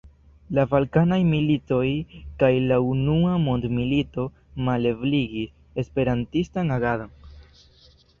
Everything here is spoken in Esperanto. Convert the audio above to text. La balkanaj militoj kaj la Unua Mondmilito malebligis esperantistan agadon.